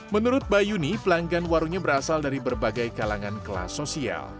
menurut bayuni pelanggan warungnya berasal dari berbagai kalangan kelas sosial